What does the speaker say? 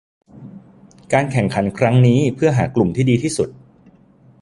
การแข่งขันครั้งนี้เพื่อหากลุ่มที่ดีที่สุด